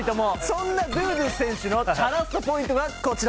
そんなドゥドゥ選手のチャラッソポイントがこちら。